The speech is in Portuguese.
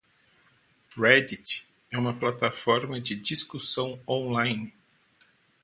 Reddit é uma plataforma de discussão online.